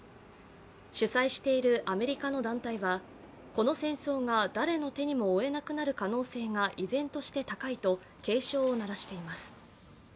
主催しているアメリカの団体はこの戦争が誰の手にも負えなくなる可能性が依然として高いと警鐘を鳴らしています。